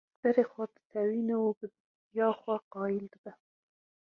Serê xwe ditewîne û bi ya xwe qayîl dibe.